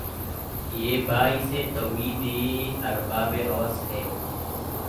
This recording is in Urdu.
یہ باعث تومیدی ارباب ہوس ھے